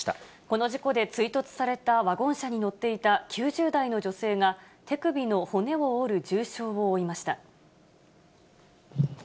この事故で、追突されたワゴン車に乗っていた、９０代の女性が手首の骨を折る重傷を負いました。